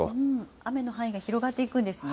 雨の範囲が広がっていくんですね。